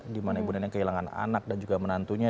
dimana ibu neneng kehilangan anak dan juga menantunya